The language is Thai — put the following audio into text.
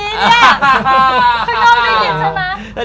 คือนั่มมีหินใช่มะ